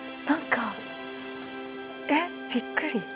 なんかえっびっくり。